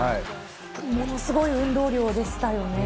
ものすごい運動量でしたよね。